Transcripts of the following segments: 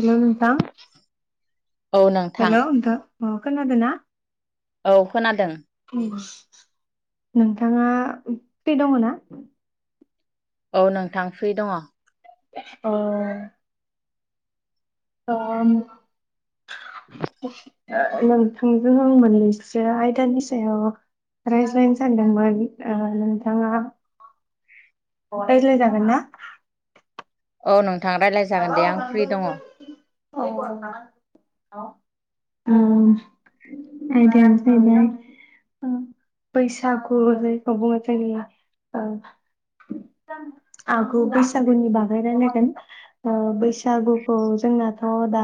हेल नोंथां हेल' नोंथां अ खोनादोंना? औ खोनादों। नोंथाङा फ्रि दङ ना? औ नोंथां फ्रि दङ। अ। ओम [inaudible] नोंथांजों आं मोननैसो आयदानि सायाव रायज्लायनो सानदोंमोन नोंथाङा रायज्लाय जागोन ना? औ नों थां रायलाय जागोन दे आं फ्रि दङ। औ औ औ उम आदायानो जाहैबाय बैसागु जायखौ बुङो ओ आगु बैसागुनि बागै रायलायगोन। ओ बैसागुखौ जोंनाथ' दा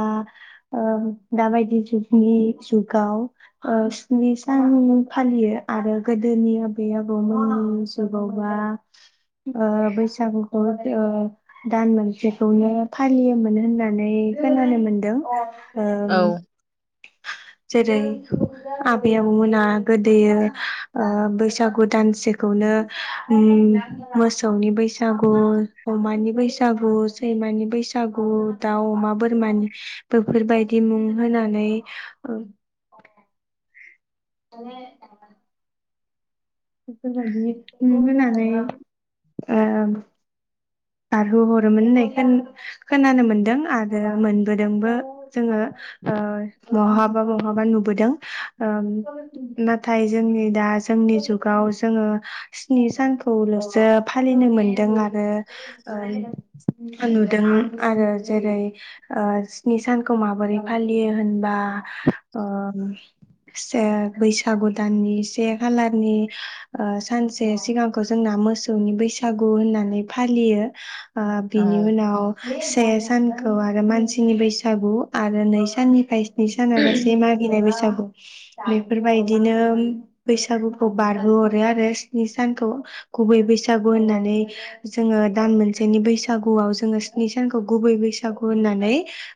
दाबायदि जुगनि जुगाव ओ स्नि सान फालियो आरो गोदोनि आबै आबौमोननि जुगावबा ओ बैसागुखौ दान मोनसे बेखौनो फालियोमोन होननानै खोनानो मोनदों। ओम औ जेरै आबै आबौमोना गोदोयो ओ बैसागु दानसेखौनो उम मोसौनि बैसागु, अमानि बैसागु दैैमानि बैसागु, दाउ, अमा, बोरमानि बेफोरबायदि मुं होनानै [unintelligible] बेफोरबायदि मुं होनानै ओ बारहो हरोमोन होननाय खोन-खोनानो मोनदों आरो मोनबोदोंबो जोङो बहाबा बहाबा नुबोदों। ओ नाथाय जोंनि दा जोंनि जुगाव जोङो स्नि सानखौल'सो फालिनो मोनदों आरो ओ नुदों आरो जेरै ओ स्नि सानखौ माबोरै फालियो होनबा से बैसागु दाननि से खालारनि ओ सानसे सिगांखौ जोंना मोसौनि बैसागु होननानै फालियो ओ बिनि उनाव से सान औ आरो मानसिनि बैसागु आरो नै साननिफ्राय नै सानावलासे मागिनाय बेैसागु। बेफोरबायदिनो बैसागुखौ बारहोहरो आरो स्नि सानखौ गुबै बैसागु होननानै जोङो दान मोनसेनि बैसागुआव जोङो स्नि सानखौ गुबै बैसागु होननानै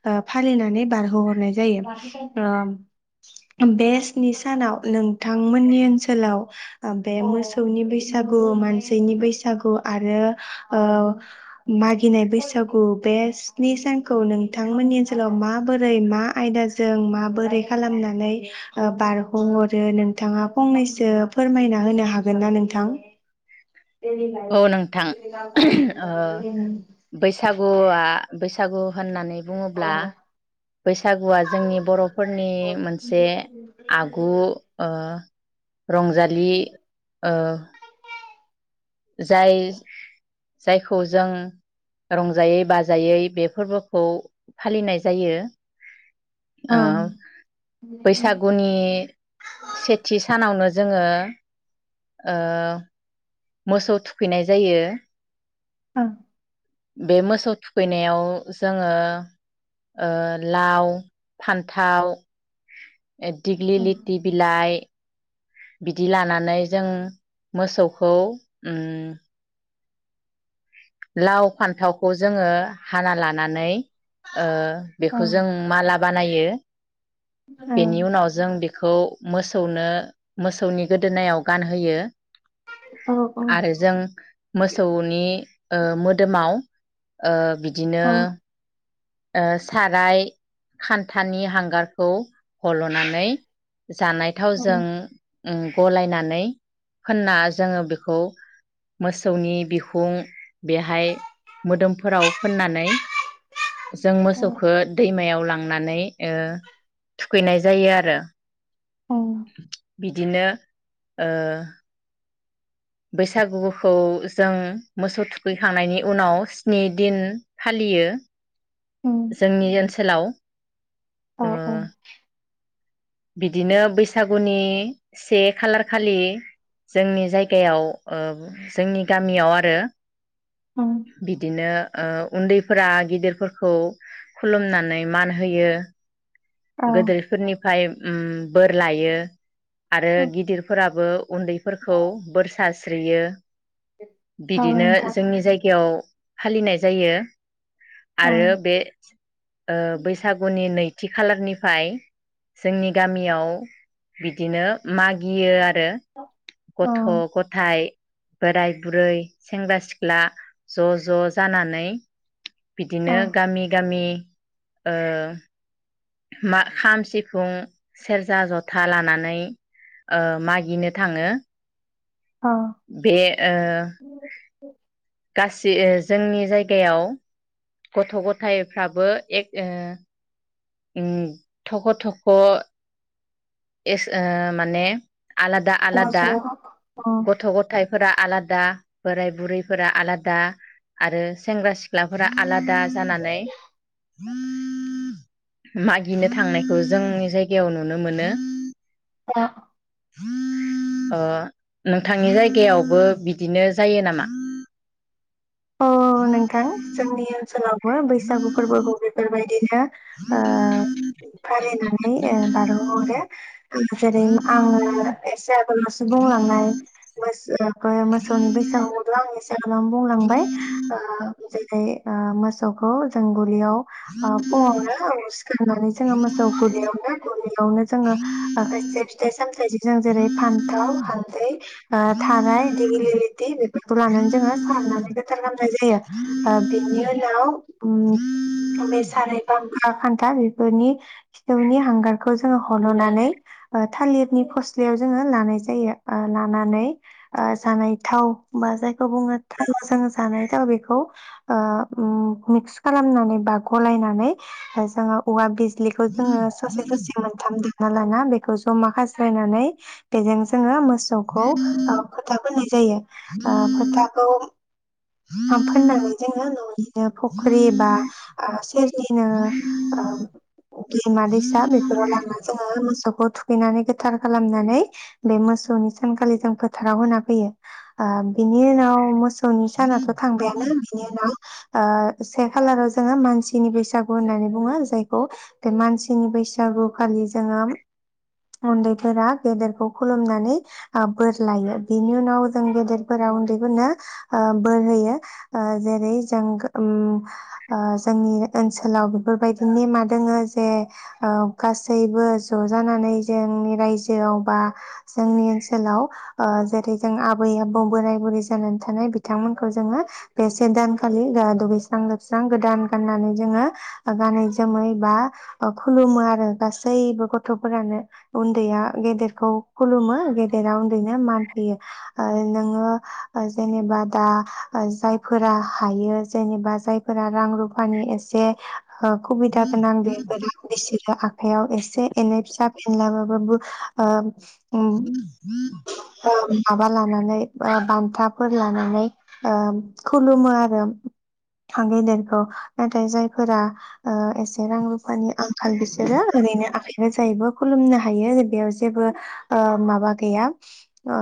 ओ फालिनानै बारहोहरनाय जायो। ओ बे स्नि सानाव नोंथांमोननि ओनसोलाव बे मोसौनि बैसागु मानसिनि बैसागु आरो ओ मागि गिनाय बैसागु बे स्नि सानखौ नोंथांमोननि ओनसोलाव माबोरै मा आयदाजों माबोरै खालामनानै बारहोहरो नोंथाङा फंनैसो फोरमायना होनो हागोन ना नोंथां थां दैनि ला थां ओ बैसागुआ बैसागु होननानै बुङोब्ला बैसागुआ जोंनि बर'फोरनि मोनसे आगु ओ रंजालि ओ जाय जायखौ जों रंजायै बाजायै बे फोरबोखौ फालिनाय जायो औ ओ बैसागुनि सेथि सानावनो जोङो ओ मोसौ थुखैनाय जायो औ बे मोसौ थुखैनायाव जोङो ओ लाव फान्थाव दिग्लि लिथि बिलाइ बिदि लानानै जों मोसौखौ उम लाव फान्थावखौ जोङो हाना लानानै ओ बेखौ जों माला बानायो बेनि उनाव जों बेखौ मोसौनो मोसौनि गोदोनायाव गानहोयो औ आरो जों मोसौनि ओ मोदोमाव बि बिदिनो औ ओ साराय खान्थानि हांगारखौ हल'नानै जानाय थावजों उम गलायनानै फोनना जोङो बेखौ मोसौनि बिखुं बेहाय मोदोमफोराव फोननानै जों औ मोसौखौ दैमायाव लांनानै ओ थुखैनाय जायो आरो। औ बिदिनो ओ बैसागुखौ जों मोसौ थुखैखांनायनि उनाव स्नि दिन फालियो जोंनि ओनसोल हेलौ औ औ बिदिनो बैसागुनि से खालार खालि जोंनि जायगायाव ओ जोंनि गामियाव आरो औ बिदिनो उन्दैफोरा गिदिरफोरखौ खुलुमनानै मान होयो। औ गोदोरफोरनि फाय उम बोर लायो। आरो औ गिदिरफोरा बो उन्दैफोरखौ बोरसासि स्रियो औ बिदिनो नोंथां जोंनि जायगायाव फालिनाय जायो। औ आरो बे ओ बैसागुनि नै खालारनिफाय जोंनि गामियाव बिदिनो मागियो आरो। हो औ गथ' गथाय बोराय बुरै सेंग्रा सिख्ला ज' ज' जानानै औ बिदिनो गामि गामि ओ मा खाम सिफुं सेरजा जथा लानानै ओ मागिनो थाङो। औ बे ओ [inaudible] गासि ओ जोंनि जायगायाव गथ' गथायफ्राबो एक ओ उम थख' थख' एस ओ माने आलादा ज' आलादा ज' अ गथ' गथाय फोरा आलादा बोराय बुरैफोरा आलादा आरो सेंग्रा सिख्लाफोरा आलादा जानानै मागिनो थांनायखौ जोंनि जायगायाव नुनो मोनो। [unintelligible] ओ नोंथांनि जायगायावबो बिदिनो जायो नामा औ नोंथां जोंनि सोलाव बो बैसागु फोरबोखौ बेफोरबाय दिनो ओ फालिनानै नै ओ बारहो हरो जेरै आङो एसे [unintelligible] बुंलांनाय मोसो ओ मोसौनि बैसागुखौथ आं एसे गोबां बुंलांबाय आ जेरै ओ मोसौखौ जों गलियाव आ फुङावनो सिखारनानै जोङो मोसौ [unintelligible] यावनो जोङो आखा से फिथाइ सामथाय जे जों जेरै फान्थाव हालदै थाराय दिगलि लिथि बेफोरखौ लानानै जोङो सारनानै गोथार बानाय [unintelligible] बिनि उनाव उम सानाय बामफा खान्था बेफोरनि खिथौनि हांगारखौ जोङो हल'नानै ओ थालिरनि फस्लायाव जोङो लानाय जायो आ लानानै जानाय थाव बा जायखौ बुङो थाव जों जानाय थाव बेखौ ओ उम मिक्स खालाम नानै बा गलाय नानै ओ जोङो औवा बिज द्लिखौ जोङो ससे ससे मोनथाम दो ना लाना बेखौ जमा खास्रायनानै बेजों जोङो मो सौखौ आ फोथा फोननाय जायो आफोथाखौ फाम फोननानै जोङो न'निनो अ फुख्रि बा आ सेरजिनो ओ दैमा दैसा बेफोराव लानानै जोङो मोसौखौ थुखैनानै गोथार खालामनानै बे मोसौनि सानखालि जों फोथाराव होना फैयो आ बिनि उनाव मोसौ ननि सानाथ' बेनो बेनिआ ओ से खालाराव जोङो मानसिनि बैसागु होननानै बुङो जायखौ बे मानसिनि बैसागु खालि जोङो उन्दैफोरा गेदेरखौ खुलुमनानै आ बोर लायो बेनि उनाव जों गेदेरफोरा उन्दैफोरनो ओ बोर होयो ओ जेरै जों उम आ जोंनि ओनसोलाव बेफोरबायदि नेमा दोङो जे ओ गासैबो ज' जानानै जोंनि रायजोआव बा जोंनि ओनसोलाव ओ जेरै जों आबै आबौ बोराय बुरै जानानै थानाय बिथांमोनखौ जोङो बे से दानखालि आ दुगैस्रां लोबस्रां गोदान गाननानै जोङो गानै जोमै बा खुलुमो आरो गासैबो गथ'फोरानो उन्दैया गेदेरखौ खुलुमो गेदेरा उन्दैनो मान होयो ओ नोङो ओ जेनेबा दा आ जायफोरा हायो जेनेबा जायफोरा रां रु फानि एसे ओ खुबिदा गोनां बेफोरो बिसोरो आ फायाव एसे एनै फिसा फेनला बाबाबो ओ उम ओ [unintelligible] माबा लानानै ओ बान्थाफोर लानानै ओ खुलुमो आरो गेदेरखौ नाथाय जायफोरा ओ एसे रां रुफानि आं खाल बिसोरो ओरैनो आखाइ रोजायैबो खुलुमनो हायो बेयाव जेबो ओ माबा गैया ओ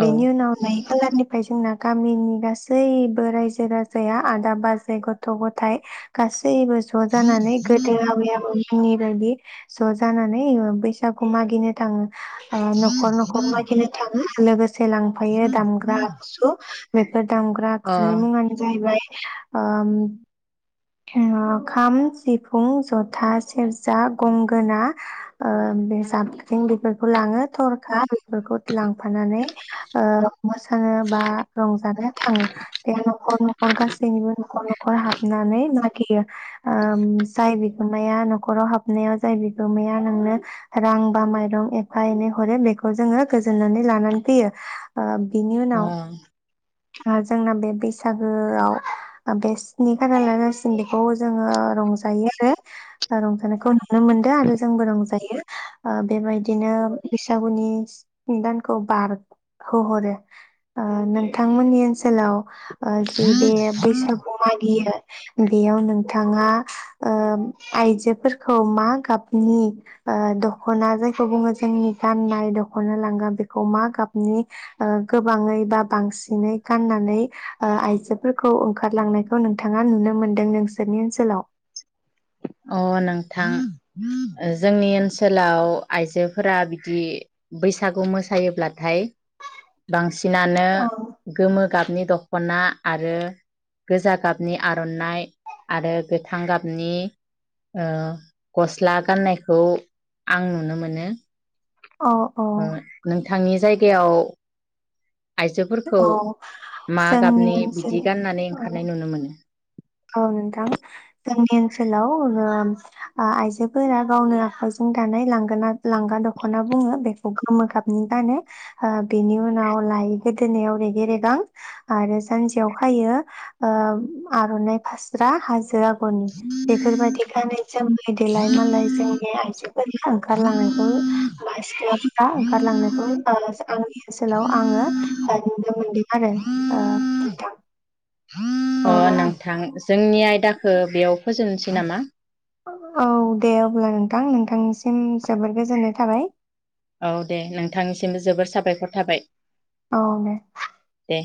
बिनि उनाव नै खालारनिफ्राय जोंना गामिनि गासैबो रायजो राजाया आदा बाजै गथ' गथाय गास सैबो ज' जानानै गोदो आबै आबौनि नि बायदि ज' जानानै ओ बैसागु मागिनो थाङो। अ नखर नखर मागिनो थाङो। लोगोस से लांफायो दामग्रा आगसु दा दामग्रा आगजुनि मुङानो जाहैबाय ओम हो खाम सिफुं जथा सेरजा गंगोना ओ बे जाबख्रिं बेफोरखौ लाङो थरखा फोरखौथ लांफानानै ओ मोसानो बा रं जानो थाङो बे न'खर न'खर गासैनिबो न'खर न'खर हाबनानै मागियो। ओम जाय बि गोमाया न'खराव हाबनायाव जाय बिगोमाया नोंनो रां बा माइरं एफा एनै हरो बेखौ जोङो गोजोननानै लानानै फैयो। ओ बिनि उनाव आ जोंना बे बैसागोआव बे स्नि खालारहालासिम बेखौ जोङो रंजायो आरो रंजानायखौ नुनो मोनदों आरो जोंबो रंजायो बेबायदिनो बैसागुनि स्नि दानखौ बारहो हरो ओ नों थांमोननि ओनसोलाव ओ जे बे बैसागु मागियो बेयाव नोंथाङा ओ आइजोफोरखौ मा गाबनि ओ दख'ना जायखौ बुङो जोंनि गाननाय दख'ना लांगा बेखौ मा गाबनि ओ गोबाङै बा बांसि सिनै गाननानै ओ आइजोफोरखौ ओंखारलांनायखौ नोंथाङा नुनो मोनदों नोंसोरनि ओनसोलाव? अ नोंथां ओ जोंनि ओनसोलाव आइजोफोरा बिदि बैसागु मोसायोब्लाथाय बांसि सिनानो गोमो गाबनि दख'ना आरो गोजा गाबनि आर'नाइ आरो गोथां गाबनि ओ गस्ला गाननायखौ आं नुनो मोनो। अ औ थांनि जायगायाव आइजोफोरखौ औ मा जोंनि गाबनि ओनसोल बिदि गाननानै ओंखारनाय नुनो मोनो? औ नोंथां जोंनि ओनसोलाव ओम आ आइजोफोरा गावनो आखाइजों दानाय लांगोना लांगा दख'ना बुङो बे खौ गोमो गाबनि गानो ओ बिनि उनाव लायो गोदोनायाव रेगे रेगां आरो जानजियाव खायो ओ आर'नाइ फास्रा हाजो आ गरनि बेफोरबायदि गानै जोमै देलाय मालाय जोंनि आइजोफोरनि ओंखारलांनायखौ सिख्लाफोरा ओंखारलांनायखौ [unintelligible] आंनि ओनसोलाव आङो नुनो मोनदों आरो ओ नोंथां अ औ नोंथां जोंनि आयदाखौ बेयाव फोजोबनोसै नामा औ दे अब्ला नोंथां नोंथांनिसिम जोबोद गोजोननाय थाबाय औ दे नोंथांनिसिम जोबोर साबायखर थाबाय औ दे दे